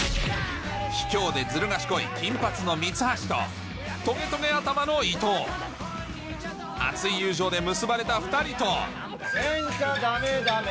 卑怯でずる賢い金髪の三橋とトゲトゲ頭の伊藤熱い友情で結ばれた２人とけんかダメダメ！